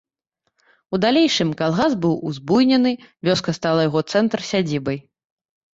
У далейшым калгас быў узбуйнены, вёска стала яго цэнтр, сядзібай.